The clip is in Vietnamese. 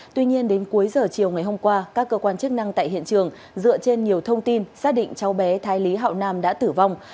tuy nhiên đến cuối giờ chiều ngày hôm qua các cơ quan chức năng tại hiện trường dựa trên nhiều thông tin xác định cháu bé thái lý hậu nam đã tử vong